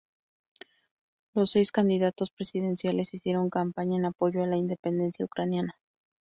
Los seis candidatos presidenciales hicieron campaña en apoyo a la independencia ucraniana.